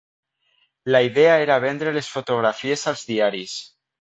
La idea era vendre les fotografies als diaris.